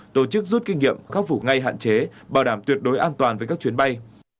tổ chức rút kinh nghiệm khắc phục ngay hạn chế bảo đảm tuyệt đối an toàn với các chuyến bay